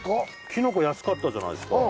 きのこ安かったじゃないですか